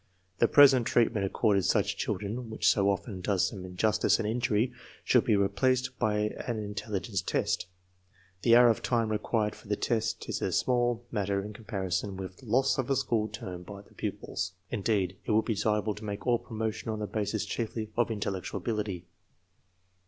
The present treatment accorded such children, which so often does them injustice and injury, s.liould be replaced by an intelligence test. The hour of time* required for the test is a small mutter in comparison wiUi the loss of a school term by the pupils. Indeed, it would be desirable to make all promotions on USES OF INTELLIGENCE TESTS 17 the basis chiefly of intellectual ability.